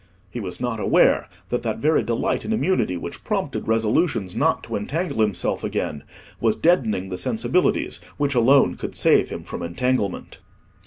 He was not aware that that very delight in immunity which prompted resolutions not to entangle himself again, was deadening the sensibilities which alone could save him from entanglement.